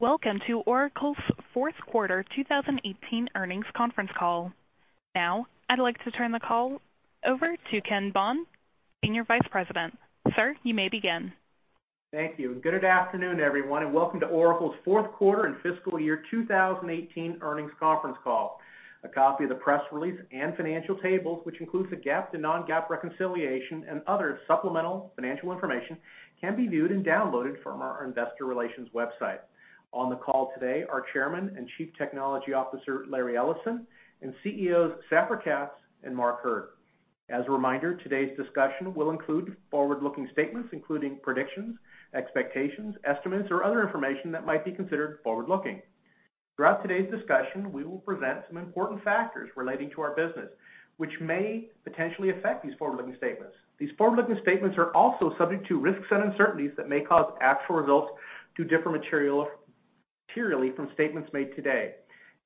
Welcome to Oracle's fourth quarter 2018 earnings conference call. I'd like to turn the call over to Ken Bond, Senior Vice President. Sir, you may begin. Thank you. Good afternoon, everyone, and welcome to Oracle's fourth quarter and fiscal year 2018 earnings conference call. A copy of the press release and financial tables, which includes the GAAP to non-GAAP reconciliation and other supplemental financial information, can be viewed and downloaded from our investor relations website. On the call today are Chairman and Chief Technology Officer, Larry Ellison, and CEOs Safra Catz and Mark Hurd. As a reminder, today's discussion will include forward-looking statements, including predictions, expectations, estimates, or other information that might be considered forward-looking. Throughout today's discussion, we will present some important factors relating to our business, which may potentially affect these forward-looking statements. These forward-looking statements are also subject to risks and uncertainties that may cause actual results to differ materially from statements made today.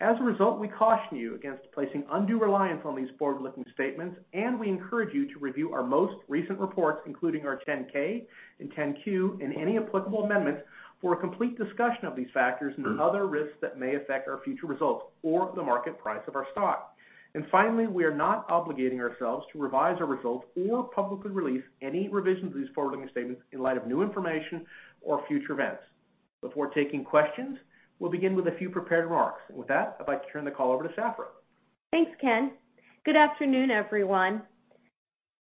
As a result, we caution you against placing undue reliance on these forward-looking statements. We encourage you to review our most recent reports, including our 10-K and 10-Q and any applicable amendments for a complete discussion of these factors and other risks that may affect our future results or the market price of our stock. Finally, we are not obligating ourselves to revise our results or publicly release any revision to these forward-looking statements in light of new information or future events. Before taking questions, we'll begin with a few prepared remarks. With that, I'd like to turn the call over to Safra. Thanks, Ken. Good afternoon, everyone.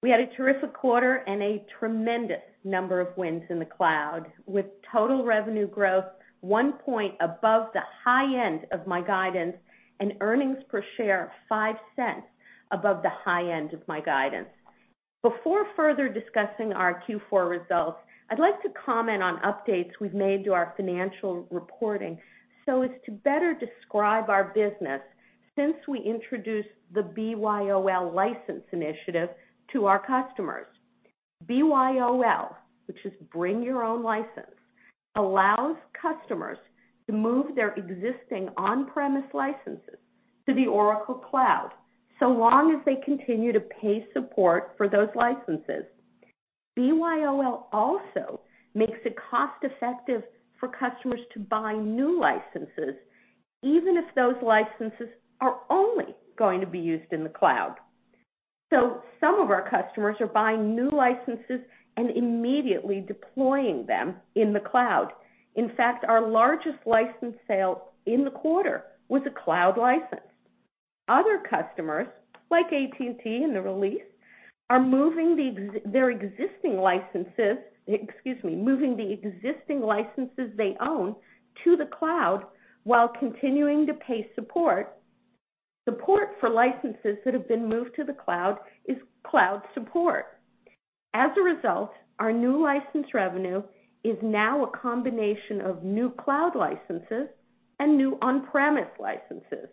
We had a terrific quarter and a tremendous number of wins in the cloud, with total revenue growth one point above the high end of my guidance and earnings per share $0.05 above the high end of my guidance. Before further discussing our Q4 results, I'd like to comment on updates we've made to our financial reporting so as to better describe our business since we introduced the BYOL license initiative to our customers. BYOL, which is Bring Your Own License, allows customers to move their existing on-premise licenses to the Oracle Cloud, so long as they continue to pay support for those licenses. BYOL also makes it cost-effective for customers to buy new licenses, even if those licenses are only going to be used in the cloud. Some of our customers are buying new licenses and immediately deploying them in the cloud. In fact, our largest license sale in the quarter was a cloud license. Other customers, like AT&T in the release, are moving the existing licenses they own to the cloud while continuing to pay support. Support for licenses that have been moved to the cloud is cloud support. Our new license revenue is now a combination of new cloud licenses and new on-premise licenses.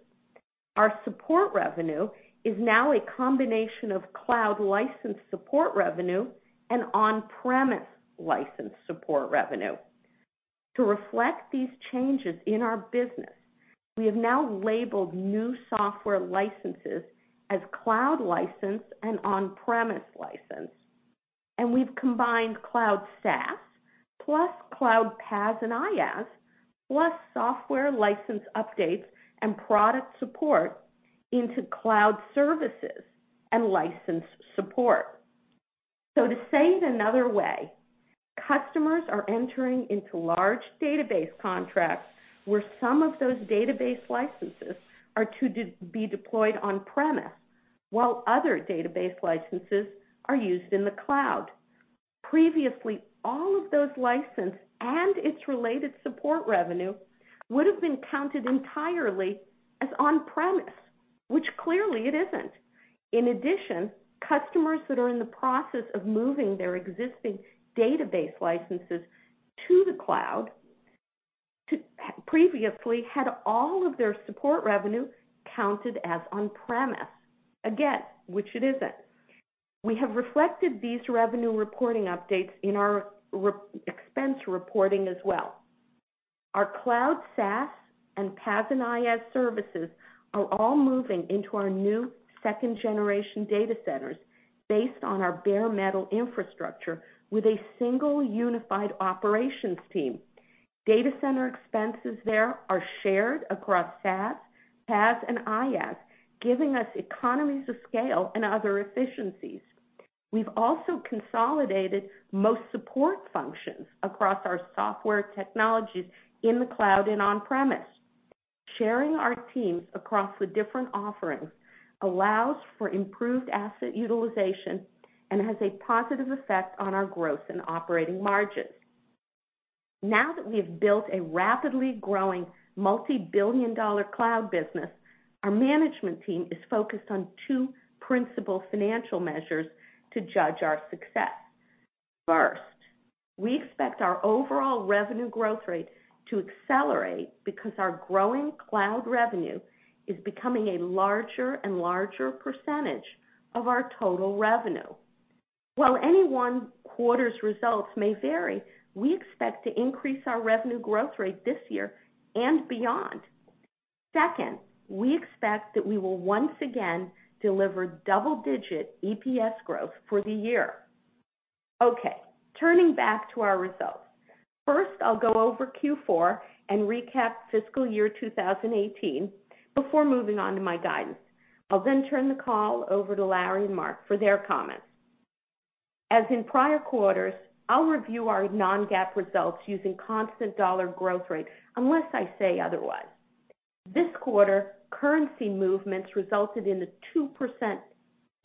Our support revenue is now a combination of cloud license support revenue and on-premise license support revenue. To reflect these changes in our business, we have now labeled new software licenses as cloud license and on-premise license, and we've combined cloud SaaS plus cloud PaaS and IaaS, plus software license updates and product support into cloud services and license support. To say it another way, customers are entering into large database contracts where some of those database licenses are to be deployed on-premise, while other database licenses are used in the cloud. Previously, all of those license and its related support revenue would've been counted entirely as on-premise, which clearly it isn't. In addition, customers that are in the process of moving their existing database licenses to the cloud, previously had all of their support revenue counted as on-premise, again, which it isn't. We have reflected these revenue reporting updates in our expense reporting as well. Our cloud SaaS and PaaS and IaaS services are all moving into our new 2nd-generation data centers based on our bare metal infrastructure with a single unified operations team. Data center expenses there are shared across SaaS, PaaS, and IaaS, giving us economies of scale and other efficiencies. We've also consolidated most support functions across our software technologies in the cloud and on-premise. Sharing our teams across the different offerings allows for improved asset utilization and has a positive effect on our gross and operating margins. Now that we've built a rapidly growing multi-billion dollar cloud business, our management team is focused on two principal financial measures to judge our success. First, we expect our overall revenue growth rate to accelerate because our growing cloud revenue is becoming a larger and larger percentage of our total revenue. While any one quarter's results may vary, we expect to increase our revenue growth rate this year and beyond. Second, we expect that we will once again deliver double-digit EPS growth for the year. Turning back to our results. First, I'll go over Q4 and recap fiscal year 2018 before moving on to my guidance. I'll then turn the call over to Larry and Mark for their comments. As in prior quarters, I'll review our non-GAAP results using constant dollar growth rate unless I say otherwise. This quarter, currency movements resulted in a 2%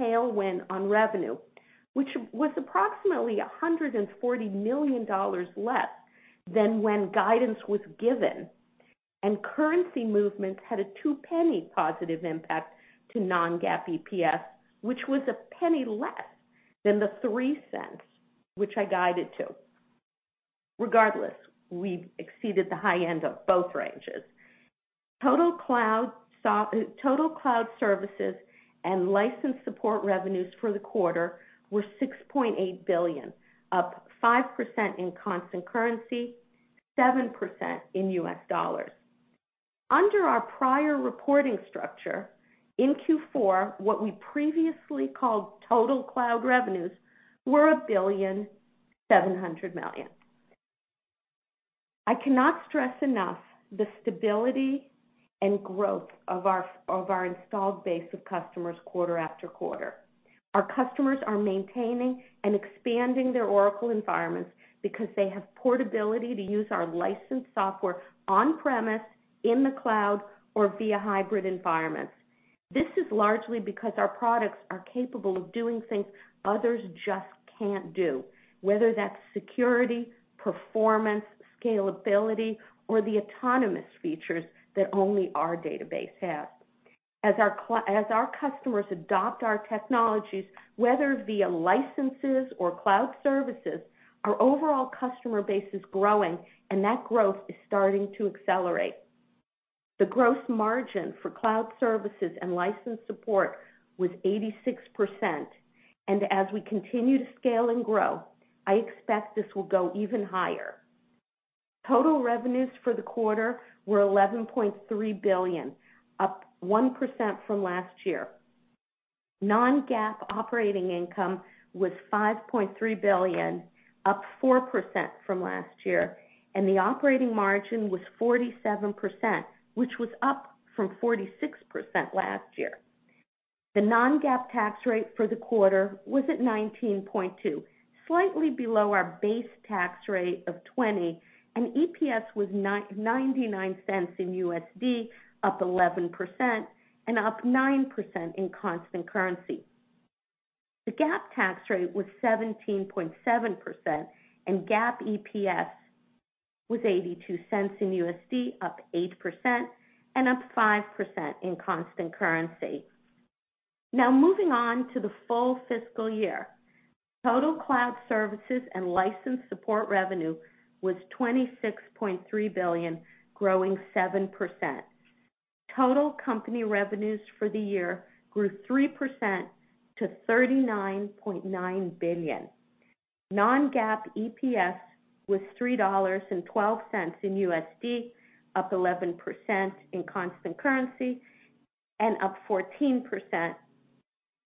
tailwind on revenue, which was approximately $140 million less than when guidance was given, and currency movements had a $0.02 positive impact to non-GAAP EPS, which was $0.01 less than the $0.03, which I guided to. Regardless, we exceeded the high end of both ranges. Total cloud services and license support revenues for the quarter were $6.8 billion, up 5% in constant currency, 7% in US dollars. Under our prior reporting structure in Q4, what we previously called total cloud revenues were $1.7 billion. I cannot stress enough the stability and growth of our installed base of customers quarter after quarter. Our customers are maintaining and expanding their Oracle environments because they have portability to use our licensed software on-premise, in the cloud, or via hybrid environments. This is largely because our products are capable of doing things others just can't do, whether that's security, performance, scalability, or the autonomous features that only our database has. As our customers adopt our technologies, whether via licenses or cloud services, our overall customer base is growing, and that growth is starting to accelerate. The growth margin for cloud services and license support was 86%, and as we continue to scale and grow, I expect this will go even higher. Total revenues for the quarter were $11.3 billion, up 1% from last year. Non-GAAP operating income was $5.3 billion, up 4% from last year, and the operating margin was 47%, which was up from 46% last year. The non-GAAP tax rate for the quarter was at 19.2%, slightly below our base tax rate of 20%. EPS was $0.99 in USD, up 11%, and up 9% in constant currency. The GAAP tax rate was 17.7%, and GAAP EPS was $0.82 in USD, up 8%, and up 5% in constant currency. Moving on to the full fiscal year. Total cloud services and license support revenue was $26.3 billion, growing 7%. Total company revenues for the year grew 3% to $39.9 billion. Non-GAAP EPS was $3.12 in USD, up 11% in constant currency, and up 14%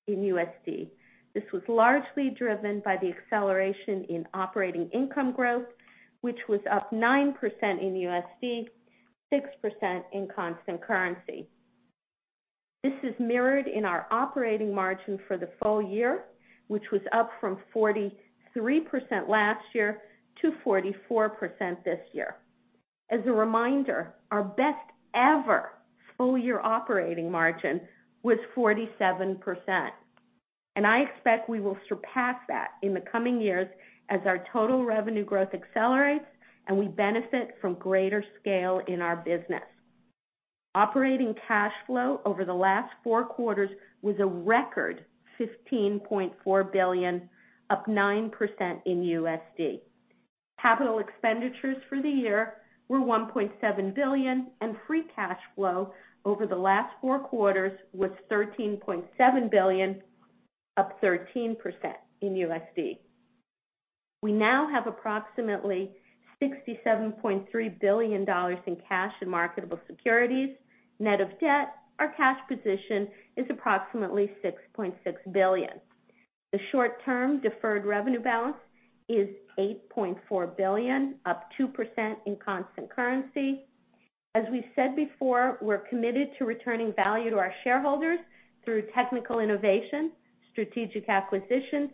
in USD. This was largely driven by the acceleration in operating income growth, which was up 9% in USD, 6% in constant currency. This is mirrored in our operating margin for the full year, which was up from 43% last year to 44% this year. As a reminder, our best ever full-year operating margin was 47%, and I expect we will surpass that in the coming years as our total revenue growth accelerates and we benefit from greater scale in our business. Operating cash flow over the last four quarters was a record $15.4 billion, up 9% in USD. Capital expenditures for the year were $1.7 billion, and free cash flow over the last four quarters was $13.7 billion, up 13% in USD. We now have approximately $67.3 billion in cash and marketable securities. Net of debt, our cash position is approximately $6.6 billion. The short-term deferred revenue balance is $8.4 billion, up 2% in constant currency. As we said before, we're committed to returning value to our shareholders through technical innovation, strategic acquisitions,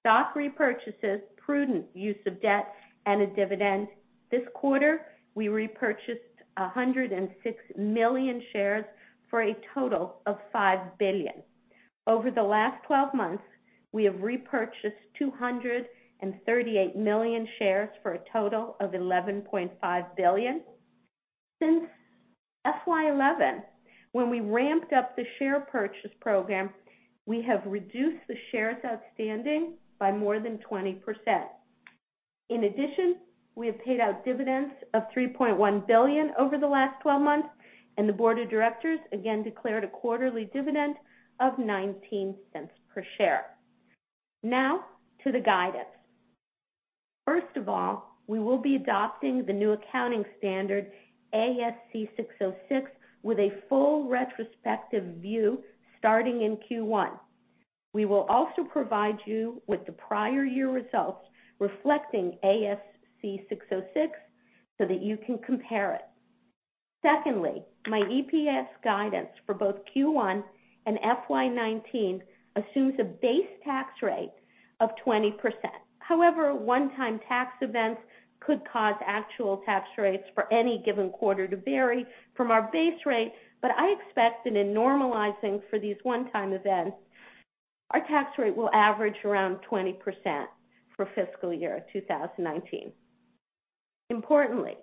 stock repurchases, prudent use of debt, and a dividend. This quarter, we repurchased 106 million shares for a total of $5 billion. Over the last 12 months, we have repurchased 238 million shares for a total of $11.5 billion. Since FY 2011, when we ramped up the share purchase program, we have reduced the shares outstanding by more than 20%. In addition, we have paid out dividends of $3.1 billion over the last 12 months, and the board of directors again declared a quarterly dividend of $0.19 per share. To the guidance. First of all, we will be adopting the new accounting standard, ASC 606, with a full retrospective view starting in Q1. We will also provide you with the prior year results reflecting ASC 606 so that you can compare it. Secondly, my EPS guidance for both Q1 and FY 2019 assumes a base tax rate of 20%. However, one-time tax events could cause actual tax rates for any given quarter to vary from our base rate, but I expect that in normalizing for these one-time events, our tax rate will average around 20% for fiscal year 2019. Importantly,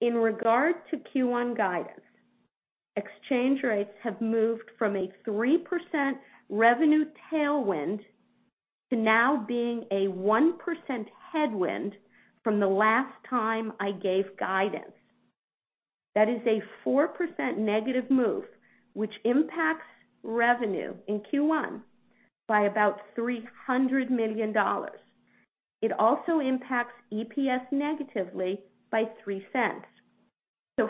in regard to Q1 guidance, exchange rates have moved from a 3% revenue tailwind to now being a 1% headwind from the last time I gave guidance. That is a 4% negative move, which impacts revenue in Q1 by about $300 million. It also impacts EPS negatively by $0.03.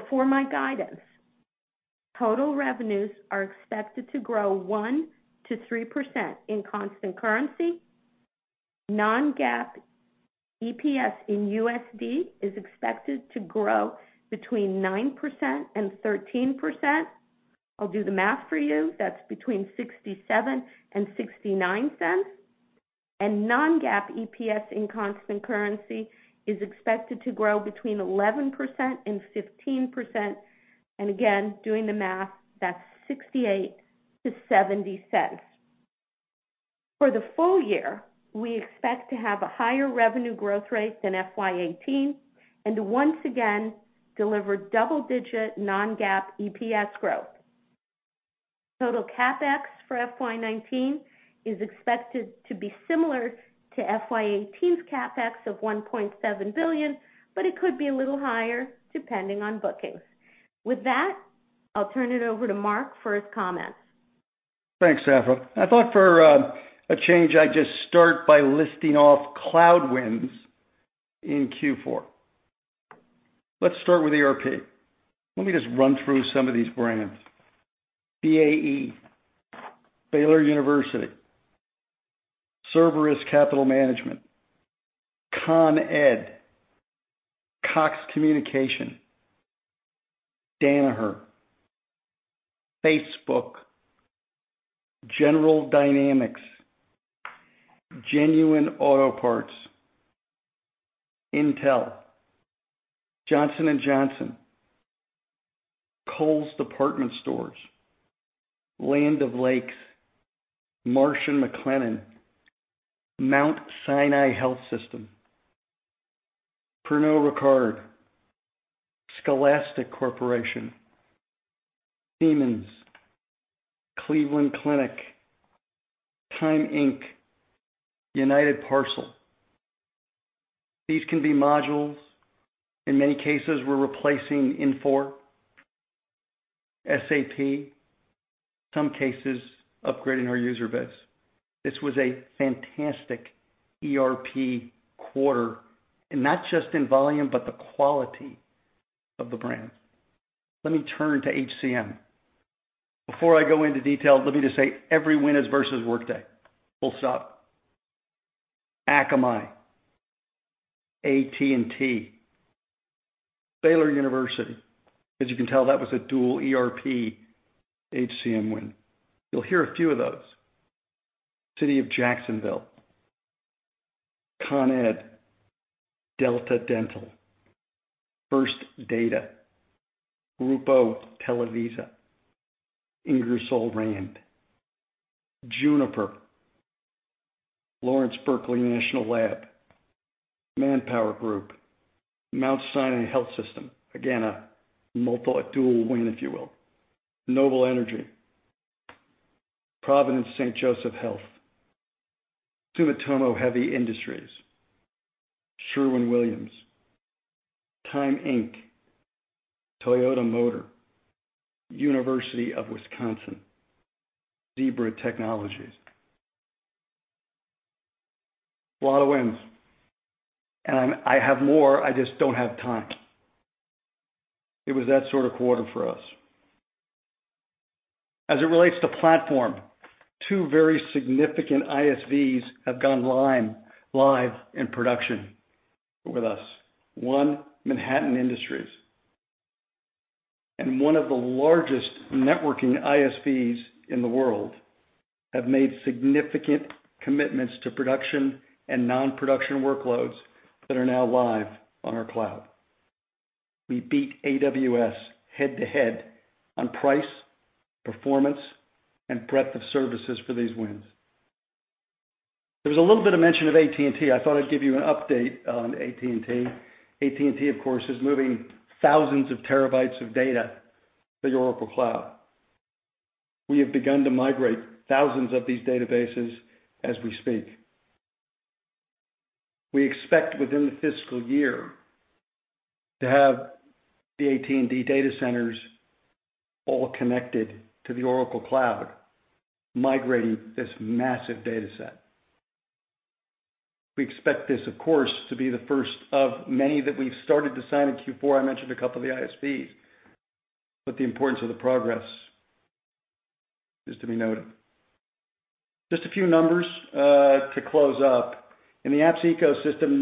For my guidance, total revenues are expected to grow 1%-3% in constant currency. Non-GAAP EPS in USD is expected to grow between 9% and 13%. I'll do the math for you. That's between $0.67 and $0.69. Non-GAAP EPS in constant currency is expected to grow between 11% and 15%. Again, doing the math, that's $0.68 to $0.70. For the full year, we expect to have a higher revenue growth rate than FY 2018 and once again, deliver double-digit non-GAAP EPS growth. Total CapEx for FY 2019 is expected to be similar to FY 2018's CapEx of $1.7 billion, but it could be a little higher depending on bookings. With that, I'll turn it over to Mark for his comments. Thanks, Safra. I thought for a change, I'd just start by listing off cloud wins in Q4. Let's start with ERP. Let me just run through some of these brands. BAE, Baylor University, Cerberus Capital Management, Con Ed, Cox Communications, Danaher, Facebook, General Dynamics, Genuine Parts Company, Intel, Johnson & Johnson, Kohl's Corporation, Land O'Lakes, Marsh & McLennan, Mount Sinai Health System, Pernod Ricard, Scholastic Corporation, Siemens, Cleveland Clinic, Time Inc., United Parcel. These can be modules. In many cases, we're replacing Infor, SAP, some cases upgrading our user base. This was a fantastic ERP quarter. Not just in volume, but the quality of the brands. Let me turn to HCM. Before I go into detail, let me just say every win is versus Workday. Full stop. Akamai, AT&T, Baylor University. As you can tell, that was a dual ERP HCM win. You'll hear a few of those. City of Jacksonville, Con Ed, Delta Dental, First Data, Grupo Televisa, Ingersoll Rand, Juniper, Lawrence Berkeley National Lab, ManpowerGroup, Mount Sinai Health System, again, a dual win, if you will. Noble Energy, Providence St. Joseph Health, Sumitomo Heavy Industries, Sherwin-Williams, Time Inc., Toyota Motor, University of Wisconsin, Zebra Technologies. A lot of wins. I have more, I just don't have time. It was that sort of quarter for us. As it relates to platform, two very significant ISVs have gone live in production with us. One, Manhattan Associates. One of the largest networking ISVs in the world have made significant commitments to production and non-production workloads that are now live on our cloud. We beat AWS head-to-head on price, performance, and breadth of services for these wins. There was a little bit of mention of AT&T. I thought I'd give you an update on AT&T. AT&T, of course, is moving thousands of terabytes of data to the Oracle Cloud. We have begun to migrate thousands of these databases as we speak. We expect within the fiscal year to have the AT&T data centers all connected to the Oracle Cloud, migrating this massive data set. We expect this, of course, to be the first of many that we've started to sign in Q4. The importance of the progress is to be noted. Just a few numbers to close up. In the apps ecosystem,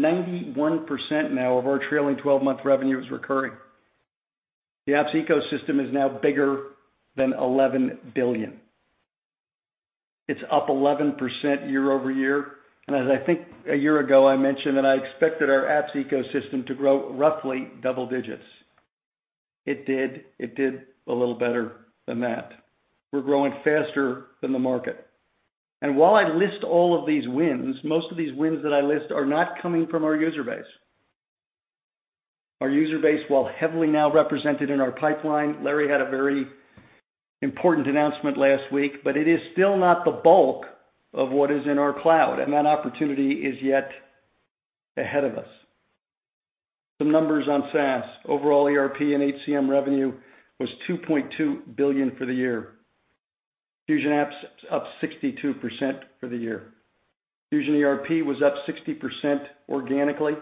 91% now of our trailing 12-month revenue is recurring. The apps ecosystem is now bigger than $11 billion. It's up 11% year-over-year. As I think a year ago, I mentioned that I expected our apps ecosystem to grow roughly double digits. It did. It did a little better than that. We're growing faster than the market. While I list all of these wins, most of these wins that I list are not coming from our user base. Our user base, while heavily now represented in our pipeline, Larry had a very important announcement last week. It is still not the bulk of what is in our cloud, That opportunity is yet ahead of us. Some numbers on SaaS. Overall ERP and HCM revenue was $2.2 billion for the year. Fusion Apps up 62% for the year. Fusion ERP was up 60% organically,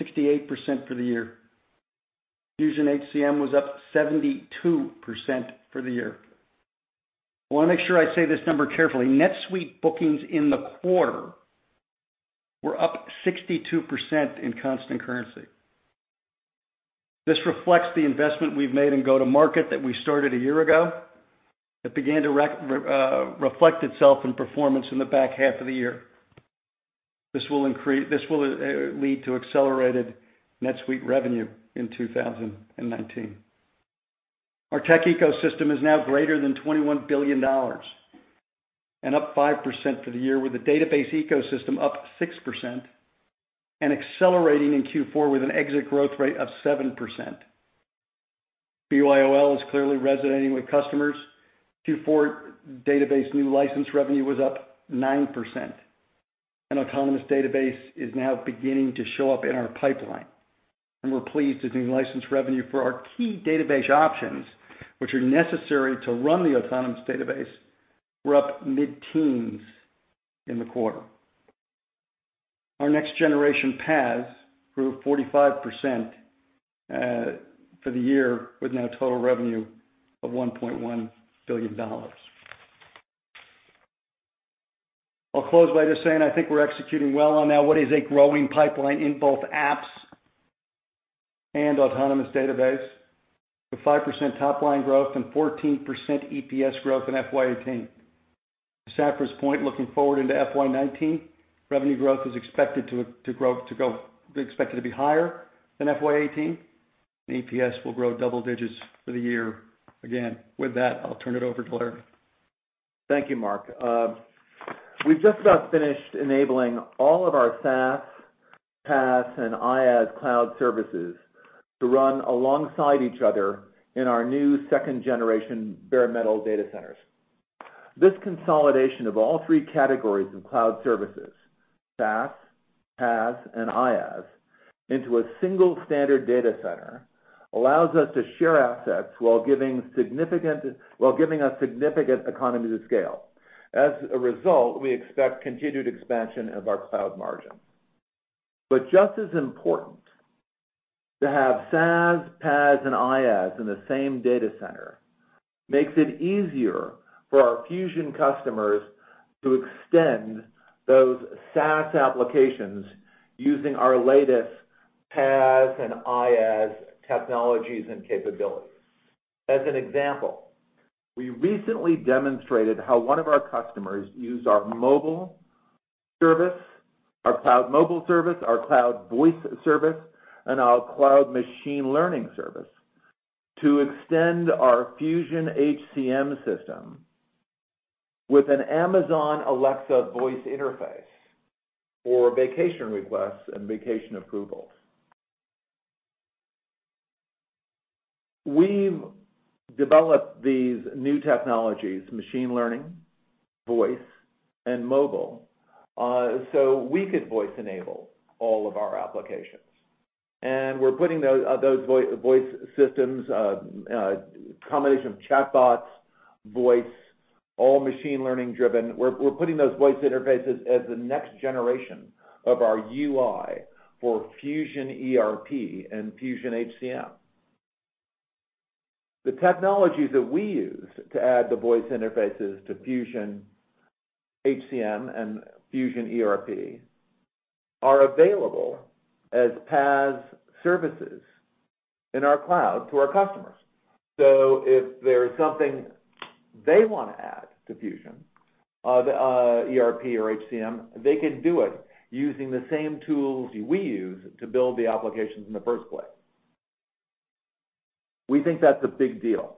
68% for the year. Fusion HCM was up 72% for the year. I want to make sure I say this number carefully. NetSuite bookings in the quarter were up 62% in constant currency. This reflects the investment we've made in go-to-market that we started a year ago, that began to reflect itself in performance in the back half of the year. This will lead to accelerated NetSuite revenue in 2019. Our tech ecosystem is now greater than $21 billion. Up 5% for the year, with the database ecosystem up 6%. Accelerating in Q4 with an exit growth rate of 7%. BYOL is clearly resonating with customers. Q4 database new license revenue was up 9%. An Oracle Autonomous Database is now beginning to show up in our pipeline. We're pleased to see license revenue for our key database options, which are necessary to run the Oracle Autonomous Database, were up mid-teens in the quarter. Our next-generation PaaS grew 45% for the year with now total revenue of $1.1 billion. I'll close by just saying I think we're executing well on now what is a growing pipeline in both apps and Oracle Autonomous Database, with 5% top-line growth and 14% EPS growth in FY 2018. To Safra's point, looking forward into FY 2019, revenue growth is expected to be higher than FY 2018. EPS will grow double digits for the year again. With that, I'll turn it over to Larry. Thank you, Mark. We've just about finished enabling all of our SaaS, PaaS, and IaaS cloud services to run alongside each other in our new second-generation bare metal data centers. This consolidation of all three categories of cloud services, SaaS, PaaS, and IaaS, into a single standard data center allows us to share assets while giving us significant economies of scale. As a result, we expect continued expansion of our cloud margins. Just as important, to have SaaS, PaaS, and IaaS in the same data center makes it easier for our Fusion customers to extend those SaaS applications using our latest PaaS and IaaS technologies and capabilities. As an example, we recently demonstrated how one of our customers used our mobile service, our cloud mobile service, our cloud voice service, and our cloud machine learning service to extend our Fusion HCM system with an Amazon Alexa voice interface for vacation requests and vacation approvals. We've developed these new technologies, machine learning, voice, and mobile, so we could voice enable all of our applications. We're putting those voice systems, combination of chatbots, voice, all machine learning driven. We're putting those voice interfaces as the next generation of our UI for Fusion ERP and Fusion HCM. The technologies that we use to add the voice interfaces to Fusion HCM and Fusion ERP are available as PaaS services in our cloud to our customers. If there's something they want to add to Fusion ERP or HCM, they can do it using the same tools we use to build the applications in the first place. We think that's a big deal.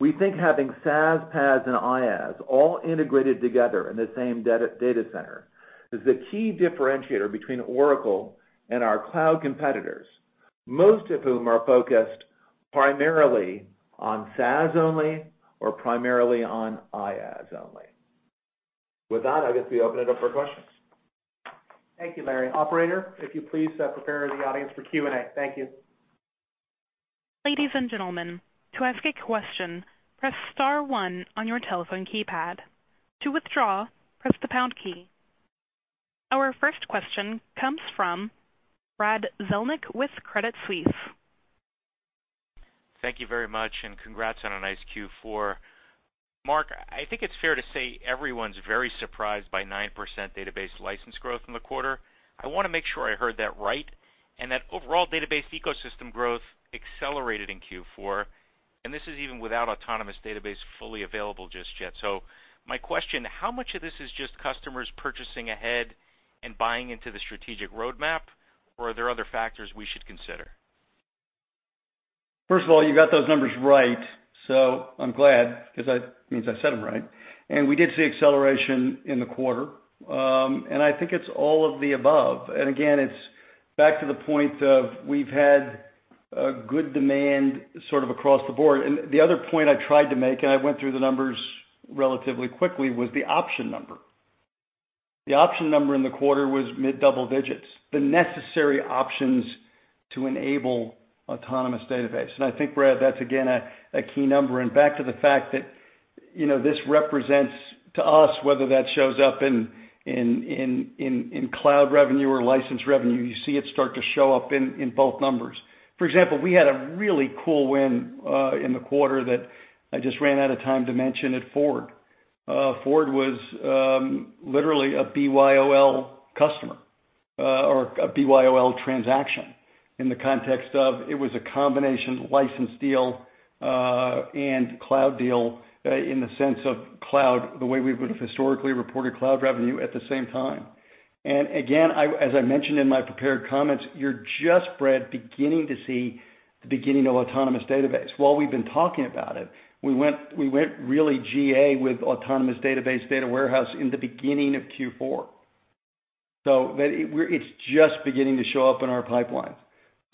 We think having SaaS, PaaS, and IaaS all integrated together in the same data center is the key differentiator between Oracle and our cloud competitors, most of whom are focused primarily on SaaS only, or primarily on IaaS only. With that, I guess we open it up for questions. Thank you, Larry. Operator, if you please prepare the audience for Q&A. Thank you. Ladies and gentlemen, to ask a question, press star one on your telephone keypad. To withdraw, press the pound key. Our first question comes from Brad Zelnick with Credit Suisse. Thank you very much. Congrats on a nice Q4. Mark, I think it's fair to say everyone's very surprised by 9% database license growth in the quarter. I want to make sure I heard that right, and that overall database ecosystem growth accelerated in Q4, and this is even without Autonomous Database fully available just yet. My question, how much of this is just customers purchasing ahead and buying into the strategic roadmap? Are there other factors we should consider? First of all, you got those numbers right. I'm glad, because that means I said them right. We did see acceleration in the quarter. I think it's all of the above. Again, it's back to the point of we've had a good demand sort of across the board. The other point I tried to make, and I went through the numbers relatively quickly, was the option number. The option number in the quarter was mid double digits, the necessary options to enable Autonomous Database. I think, Brad, that's again, a key number. Back to the fact that this represents to us whether that shows up in cloud revenue or license revenue. You see it start to show up in both numbers. For example, we had a really cool win in the quarter that I just ran out of time to mention at Ford. Ford was literally a BYOL customer or a BYOL transaction in the context of it was a combination license deal, and cloud deal in the sense of cloud, the way we would've historically reported cloud revenue at the same time. Again, as I mentioned in my prepared comments, you're just, Brad, beginning to see the beginning of Oracle Autonomous Database. While we've been talking about it, we went really GA with Oracle Autonomous Data Warehouse in the beginning of Q4. It's just beginning to show up in our pipelines.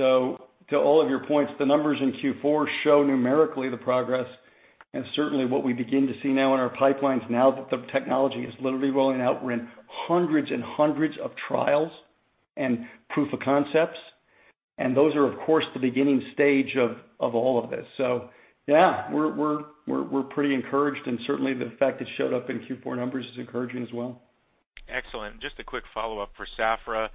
To all of your points, the numbers in Q4 show numerically the progress and certainly what we begin to see now in our pipelines now that the technology is literally rolling out. We're in hundreds and hundreds of trials and proof of concepts, and those are, of course, the beginning stage of all of this. Yeah, we're pretty encouraged, and certainly the fact it showed up in Q4 numbers is encouraging as well. Excellent. Just a quick follow-up for Safra.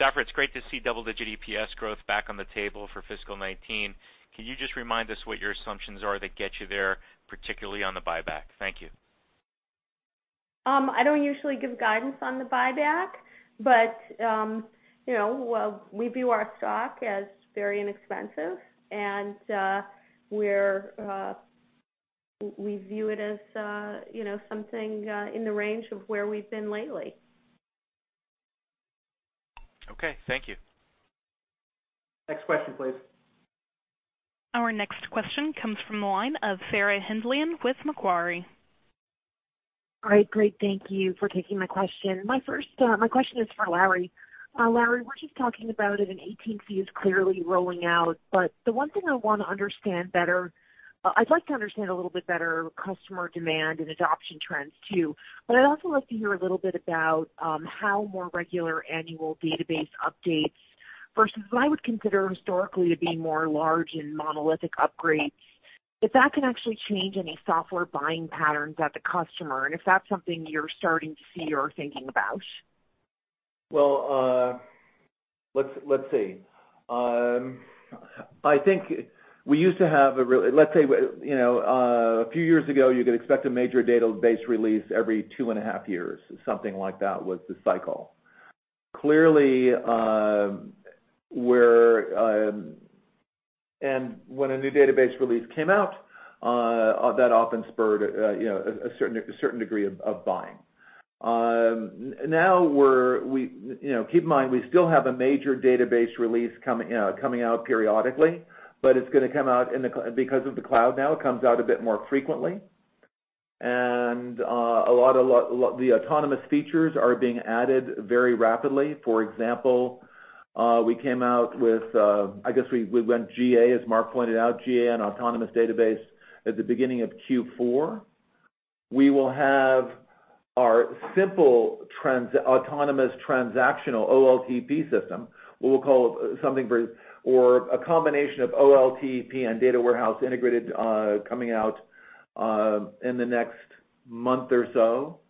Safra, it's great to see double-digit EPS growth back on the table for fiscal 2019. Can you just remind us what your assumptions are that get you there, particularly on the buyback? Thank you. I don't usually give guidance on the buyback, we view our stock as very inexpensive, and we view it as something in the range of where we've been lately. Okay, thank you. Next question, please. Our next question comes from the line of Sarah Hindlian-Bowler with Macquarie. All right. Great. Thank you for taking my question. My question is for Larry. Larry, we're just talking about it in 18c clearly rolling out. The one thing I want to understand better, I'd like to understand a little bit better customer demand and adoption trends too. I'd also like to hear a little bit about how more regular annual database updates versus what I would consider historically to be more large and monolithic upgrades, if that can actually change any software buying patterns at the customer, and if that's something you're starting to see or thinking about. Well, let's see. A few years ago, you could expect a major database release every two and a half years. Something like that was the cycle. Clearly, when a new database release came out, that often spurred a certain degree of buying. Keep in mind, we still have a major database release coming out periodically, but because of the cloud now, it comes out a bit more frequently. The autonomous features are being added very rapidly. For example, we went GA, as Mark pointed out, GA on Oracle Autonomous Database at the beginning of Q4. We will have our simple autonomous transactional OLTP system, or a combination of OLTP and data warehouse integrated coming out in the next month or so.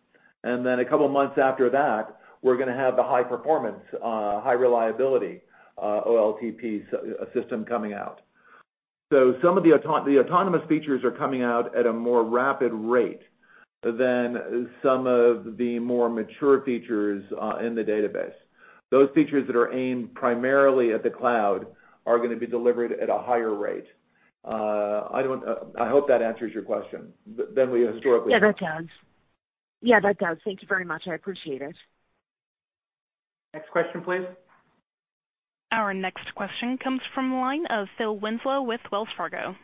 Then a couple of months after that, we're going to have the high performance, high reliability, OLTP system coming out. Some of the autonomous features are coming out at a more rapid rate than some of the more mature features in the database. Those features that are aimed primarily at the cloud are going to be delivered at a higher rate. I hope that answers your question, than we historically have. Yeah, that does. Thank you very much. I appreciate it. Next question, please. Our next question comes from the line of Philip Winslow with Wells Fargo.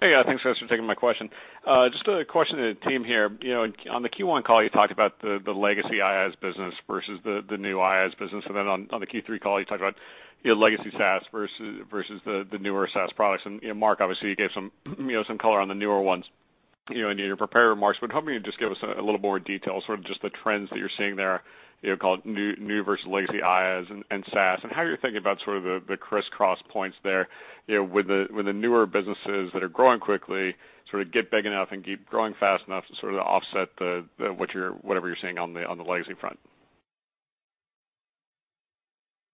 Hey, guys, thanks for taking my question. Just a question to the team here. On the Q1 call, you talked about the legacy IaaS business versus the new IaaS business. On the Q3 call, you talked about your legacy SaaS versus the newer SaaS products. Mark, obviously, you gave some color on the newer ones. In your prepared remarks, help me and just give us a little more detail, just the trends that you're seeing there, called new versus legacy IaaS and SaaS. How you're thinking about the criss-cross points there, with the newer businesses that are growing quickly, get big enough and keep growing fast enough to offset whatever you're seeing on the legacy front.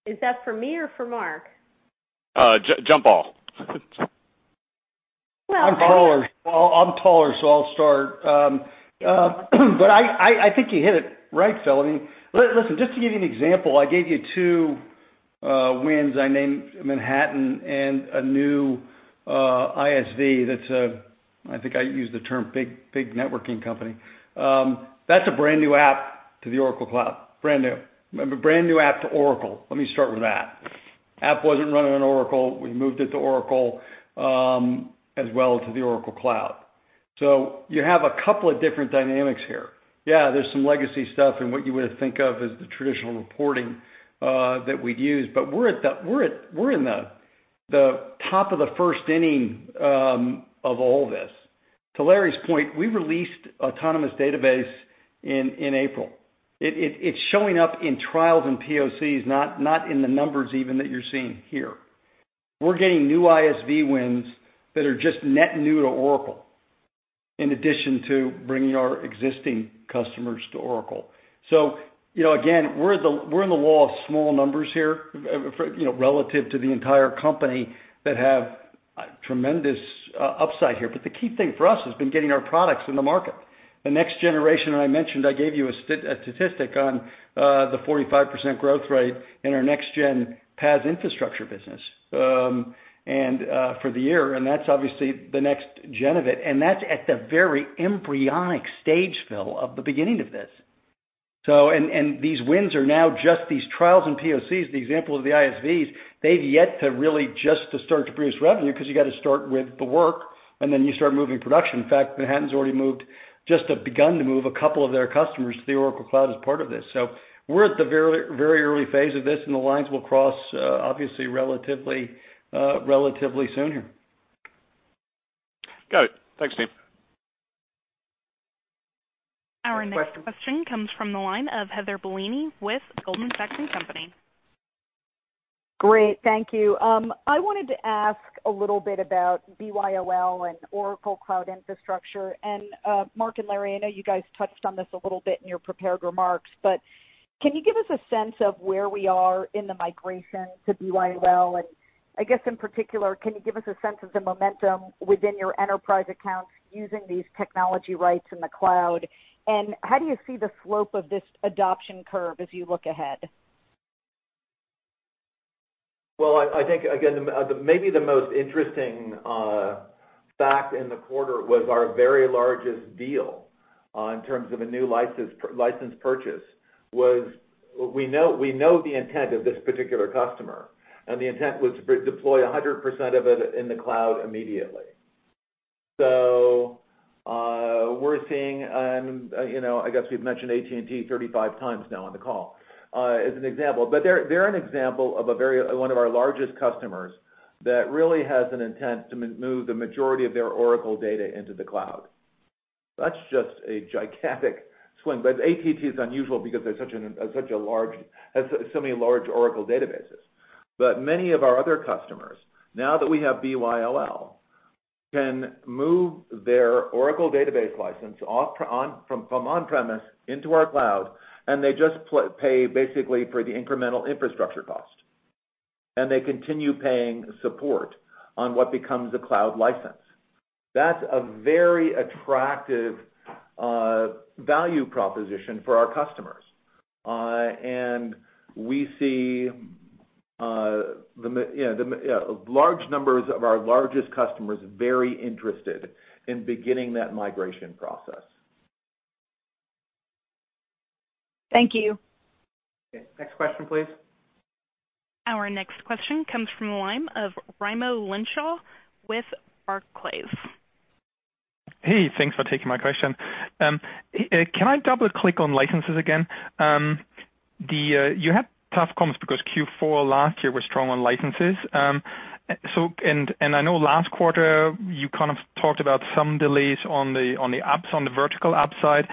Is that for me or for Mark? Jump ball. Well- I'm taller, so I'll start. I think you hit it right, Phil. Listen, just to give you an example, I gave you two wins. I named Manhattan and a new ISV that's, I think I used the term big networking company. That's a brand-new app to the Oracle Cloud. Brand new. Brand-new app to Oracle. Let me start with that. App wasn't running on Oracle. We moved it to Oracle, as well to the Oracle Cloud. You have a couple of different dynamics here. There's some legacy stuff in what you would think of as the traditional reporting that we'd use, but we're in the top of the first inning of all this. To Larry's point, we released Oracle Autonomous Database in April. It's showing up in trials and POCs, not in the numbers even that you're seeing here. We're getting new ISV wins that are just net new to Oracle, in addition to bringing our existing customers to Oracle. Again, we're in the law of small numbers here, relative to the entire company that have tremendous upside here. The key thing for us has been getting our products in the market. The next generation, I mentioned, I gave you a statistic on the 45% growth rate in our next gen PaaS infrastructure business for the year, and that's obviously the next gen of it, and that's at the very embryonic stage, Phil, of the beginning of this. These wins are now just these trials and POCs, the examples of the ISVs, they've yet to really just to start to produce revenue because you got to start with the work and then you start moving production. In fact, Manhattan's already moved, just have begun to move a couple of their customers to the Oracle Cloud as part of this. We're at the very early phase of this, and the lines will cross, obviously, relatively soon here. Got it. Thanks, team. Our next question comes from the line of Heather Bellini with Goldman Sachs & Co. Great. Thank you. I wanted to ask a little bit about BYOL and Oracle Cloud Infrastructure. Mark and Larry, I know you guys touched on this a little bit in your prepared remarks, but can you give us a sense of where we are in the migration to BYOL? I guess in particular, can you give us a sense of the momentum within your enterprise accounts using these technology rights in the cloud? How do you see the slope of this adoption curve as you look ahead? Well, I think, again, maybe the most interesting fact in the quarter was our very largest deal in terms of a new license purchase was, we know the intent of this particular customer, and the intent was to deploy 100% of it in the cloud immediately. We're seeing, I guess we've mentioned AT&T 35 times now on the call as an example. They're an example of one of our largest customers that really has an intent to move the majority of their Oracle data into the cloud. That's just a gigantic swing, but AT&T is unusual because they have so many large Oracle databases. Many of our other customers, now that we have BYOL, can move their Oracle database license from on-premise into our cloud, and they just pay basically for the incremental infrastructure cost. They continue paying support on what becomes a cloud license. That's a very attractive value proposition for our customers. We see large numbers of our largest customers very interested in beginning that migration process. Thank you. Okay, next question, please. Our next question comes from the line of Raimo Lenschow with Barclays. Hey, thanks for taking my question. Can I double-click on licenses again? You had tough comps because Q4 last year was strong on licenses. I know last quarter you talked about some delays on the apps, on the vertical app side.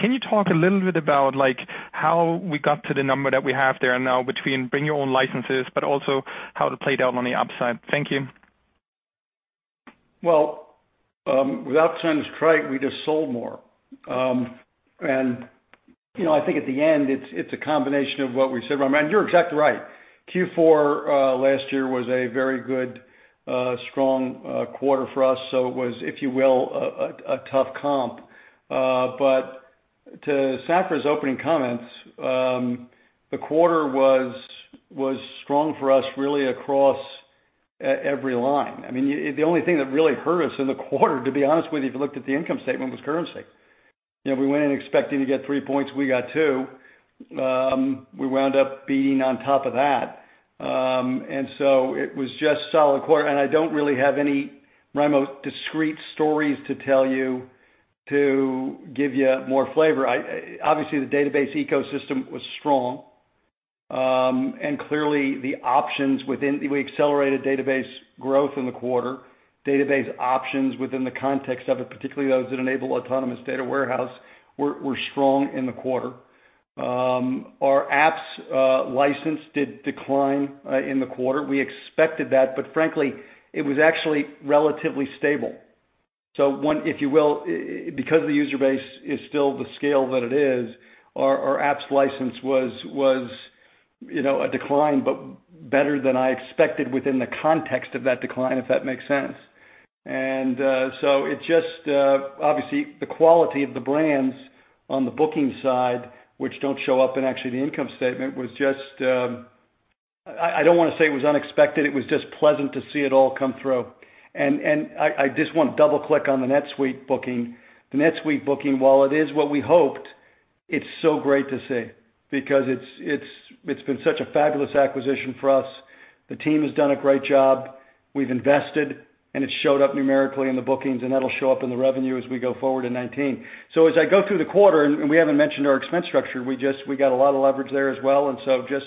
Can you talk a little bit about how we got to the number that we have there now between bring your own licenses, but also how it played out on the app side? Thank you. Well, without sounding trite, we just sold more. I think at the end, it's a combination of what we said, Raimo, and you're exactly right. Q4 last year was a very good, strong quarter for us, so it was, if you will, a tough comp. To Safra's opening comments, the quarter was strong for us really across every line. The only thing that really hurt us in the quarter, to be honest with you, if you looked at the income statement, was currency. We went in expecting to get three points, we got two. We wound up beating on top of that. It was just a solid quarter, and I don't really have any, Raimo, discreet stories to tell you to give you more flavor. Obviously, the database ecosystem was strong. Clearly, we accelerated database growth in the quarter. Database options within the context of it, particularly those that enable Oracle Autonomous Data Warehouse, were strong in the quarter. Our apps license did decline in the quarter. We expected that, frankly, it was actually relatively stable. One, if you will, because the user base is still the scale that it is, our apps license was a decline, but better than I expected within the context of that decline, if that makes sense. It just, obviously, the quality of the brands on the booking side, which don't show up in, actually, the income statement, was just I don't want to say it was unexpected. It was just pleasant to see it all come through. I just want to double-click on the Oracle NetSuite booking. The Oracle NetSuite booking, while it is what we hoped, it's so great to see, because it's been such a fabulous acquisition for us. The team has done a great job. We've invested, and it showed up numerically in the bookings, and that'll show up in the revenue as we go forward in 2019. As I go through the quarter, and we haven't mentioned our expense structure, we got a lot of leverage there as well. Just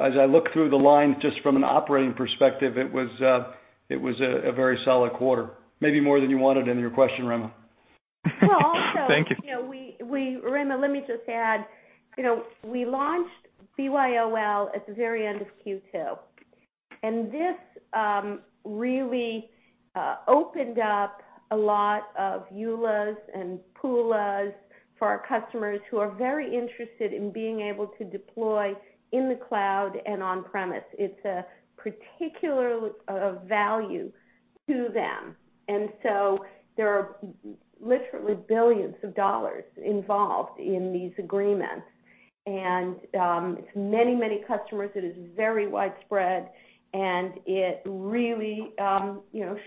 as I look through the lines, just from an operating perspective, it was a very solid quarter. Maybe more than you wanted in your question, Raimo. Thank you. Well, Raimo, let me just add, we launched BYOL at the very end of Q2. This really opened up a lot of ULAs and PULAs for our customers who are very interested in being able to deploy in the cloud and on-premise. It's a particular of value to them. There are literally billions of dollars involved in these agreements. It's many, many customers. It is very widespread, and it really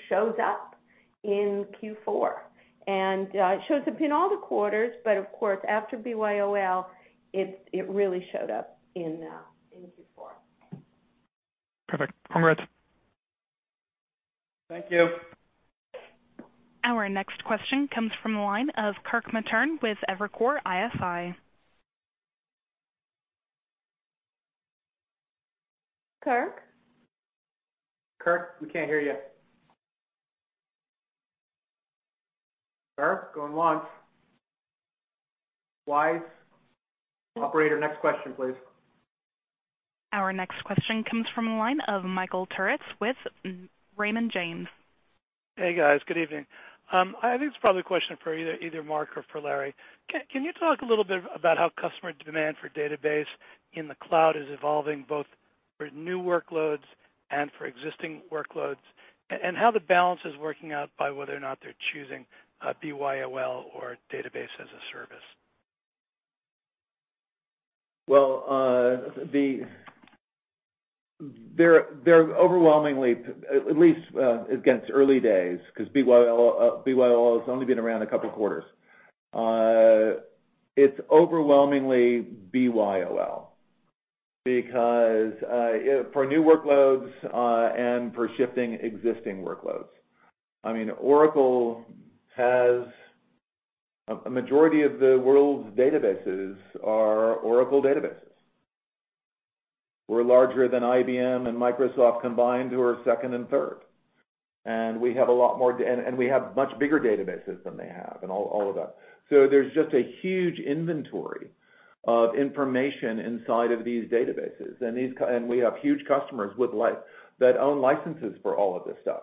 shows up in Q4. It shows up in all the quarters, but of course, after BYOL, it really showed up in Q4. Perfect. Congrats. Thank you. Our next question comes from the line of Kirk Materne with Evercore ISI. Kirk? Kirk, we can't hear you. Kirk, go and launch. Wise. Operator, next question, please. Our next question comes from the line of Michael Turits with Raymond James. Hey, guys. Good evening. I think it's probably a question for either Mark or for Larry. Can you talk a little bit about how customer demand for database in the cloud is evolving, both for new workloads and for existing workloads, and how the balance is working out by whether or not they're choosing a BYOL or Database as a Service? Well, they're overwhelmingly, at least, again, it's early days, because BYOL has only been around a couple of quarters. It's overwhelmingly BYOL. For new workloads, and for shifting existing workloads. Oracle has a majority of the world's databases are Oracle databases. We're larger than IBM and Microsoft combined, who are second and third. We have much bigger databases than they have and all of that. There's just a huge inventory of information inside of these databases. We have huge customers that own licenses for all of this stuff.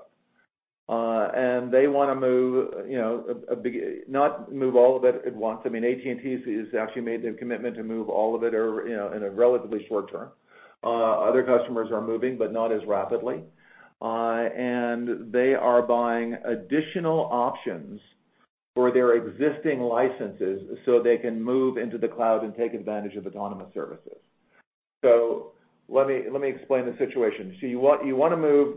They want to move, not move all of it at once. I mean, AT&T has actually made their commitment to move all of it in a relatively short term. Other customers are moving, not as rapidly. They are buying additional options for their existing licenses so they can move into the cloud and take advantage of autonomous services. Let me explain the situation. You want to move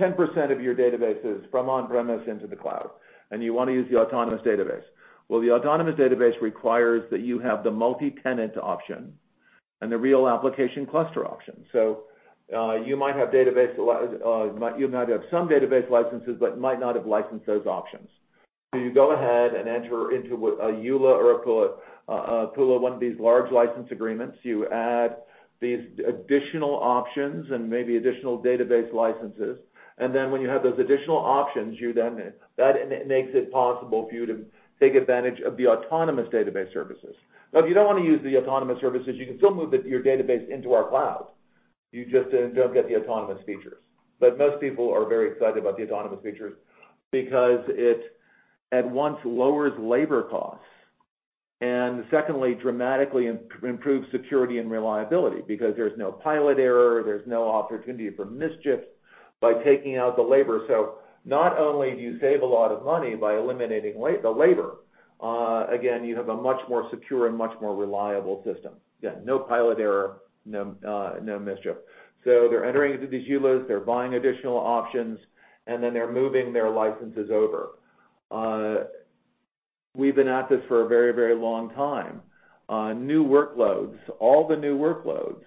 10% of your databases from on-premise into the cloud, and you want to use the Oracle Autonomous Database. Well, the Oracle Autonomous Database requires that you have the multi-tenant option and the Real Application Clusters option. You might have some database licenses but might not have licensed those options. You go ahead and enter into a ULA or a PULA, one of these large license agreements. You add these additional options and maybe additional database licenses, and then when you have those additional options, that makes it possible for you to take advantage of the Oracle Autonomous Database services. If you don't want to use the autonomous services, you can still move your database into our cloud. You just don't get the autonomous features. Most people are very excited about the autonomous features because it, at once, lowers labor costs, and secondly, dramatically improves security and reliability because there's no pilot error, there's no opportunity for mischief by taking out the labor. Not only do you save a lot of money by eliminating the labor, again, you have a much more secure and much more reliable system. Yeah, no pilot error, no mischief. They're entering into these ULAs, they're buying additional options, and then they're moving their licenses over. We've been at this for a very long time. New workloads, all the new workloads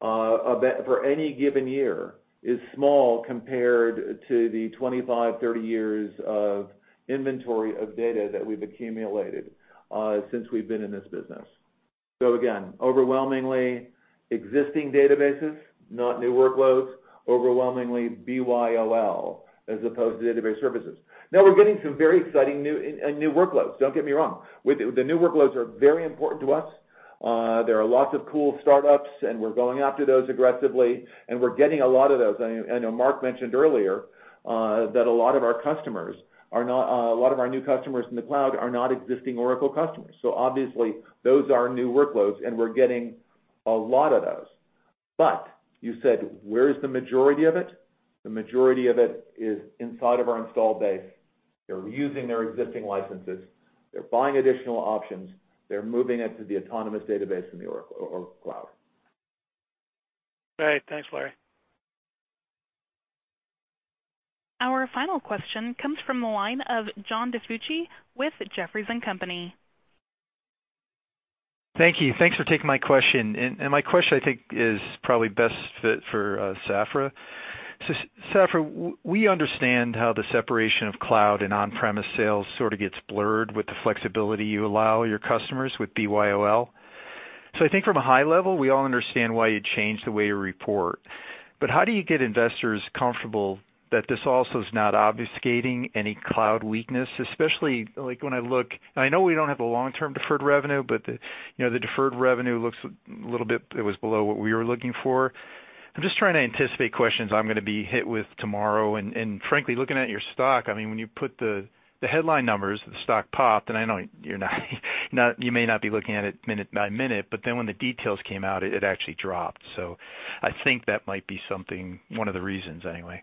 For any given year is small compared to the 25, 30 years of inventory of data that we've accumulated since we've been in this business. Again, overwhelmingly existing databases, not new workloads, overwhelmingly BYOL, as opposed to Database as a Service. We're getting some very exciting new workloads, don't get me wrong. The new workloads are very important to us. There are lots of cool startups and we're going after those aggressively, and we're getting a lot of those. I know Mark mentioned earlier that a lot of our new customers in the cloud are not existing Oracle customers. Obviously those are new workloads, and we're getting a lot of those. You said, where is the majority of it? The majority of it is inside of our install base. They're using their existing licenses. They're buying additional options. They're moving it to the Oracle Autonomous Database in the Oracle Cloud. Great. Thanks, Larry. Our final question comes from the line of John DiFucci with Jefferies & Company. Thank you. Thanks for taking my question. My question, I think, is probably best fit for Safra. Safra, we understand how the separation of cloud and on-premise sales sort of gets blurred with the flexibility you allow your customers with BYOL. I think from a high level, we all understand why you changed the way you report. How do you get investors comfortable that this also is not obfuscating any cloud weakness? I know we don't have the long-term deferred revenue, but the deferred revenue looks a little bit, it was below what we were looking for. I'm just trying to anticipate questions I'm going to be hit with tomorrow. Frankly, looking at your stock, I mean, when you put the headline numbers, the stock popped, and I know you may not be looking at it minute by minute, but then when the details came out, it actually dropped. I think that might be one of the reasons anyway.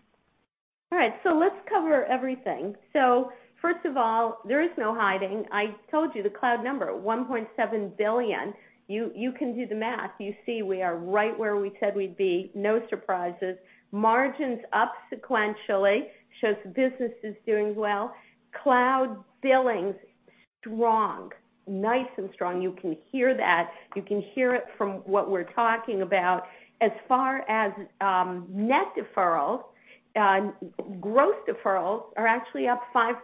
All right. Let's cover everything. First of all, there is no hiding. I told you the cloud number, $1.7 billion. You can do the math. You see we are right where we said we'd be, no surprises. Margins up sequentially, shows the business is doing well. Cloud billings strong, nice and strong. You can hear that. You can hear it from what we're talking about. As far as net deferrals, gross deferrals are actually up 5%.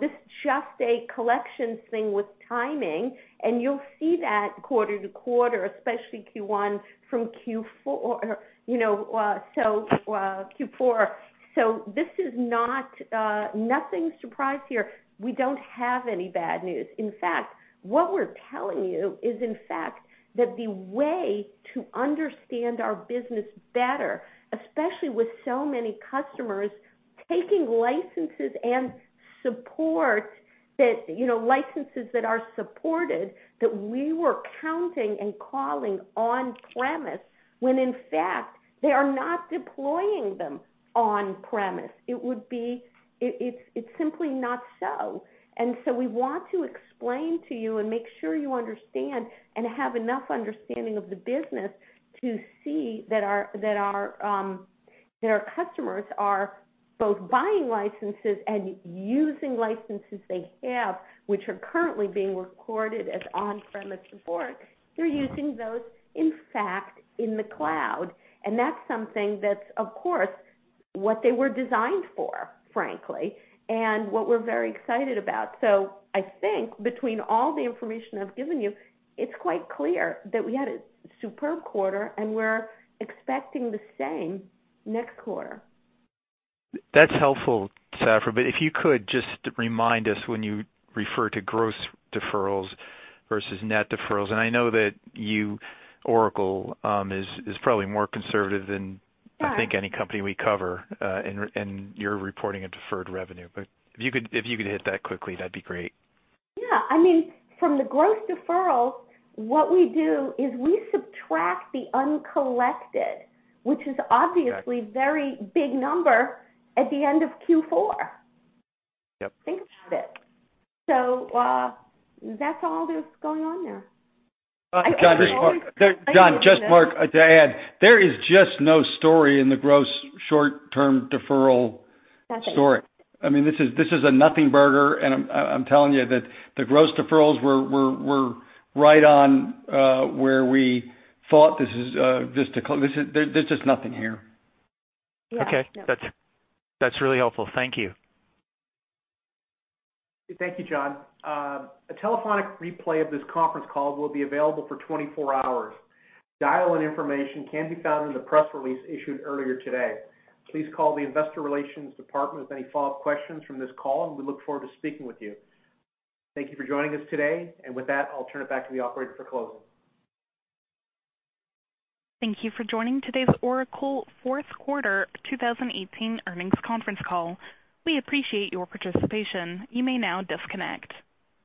This is just a collections thing with timing, and you'll see that quarter-to-quarter, especially Q1 from Q4. This is nothing surprise here. We don't have any bad news. In fact, what we're telling you is, in fact, that the way to understand our business better, especially with so many customers taking licenses and support that licenses that are supported, that we were counting and calling on-premise, when in fact, they are not deploying them on-premise. It's simply not so. We want to explain to you and make sure you understand and have enough understanding of the business to see that our customers are both buying licenses and using licenses they have, which are currently being recorded as on-premise support. They're using those, in fact, in the cloud, and that's something that's, of course, what they were designed for, frankly, and what we're very excited about. I think between all the information I've given you, it's quite clear that we had a superb quarter and we're expecting the same next quarter. That's helpful, Safra. If you could just remind us when you refer to gross deferrals versus net deferrals. I know that you, Oracle, is probably more conservative than- Right I think any company we cover, you're reporting a deferred revenue. If you could hit that quickly, that'd be great. Yeah. I mean, from the gross deferral, what we do is we subtract the uncollected- Got it which is obviously very big number at the end of Q4. Yep. Think about it. That's all that's going on there. John, just, Mark, there is just no story in the gross short-term deferral story. I mean, this is a nothing burger, and I'm telling you that the gross deferrals were right on where we thought. There's just nothing here. Yeah. Okay. That's really helpful. Thank you. Thank you, John. A telephonic replay of this conference call will be available for 24 hours. Dial-in information can be found in the press release issued earlier today. Please call the investor relations department with any follow-up questions from this call, and we look forward to speaking with you. Thank you for joining us today. With that, I'll turn it back to the operator for closing. Thank you for joining today's Oracle fourth quarter 2018 earnings conference call. We appreciate your participation. You may now disconnect.